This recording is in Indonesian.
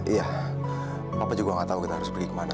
iya papa juga gak tau kita harus pergi kemana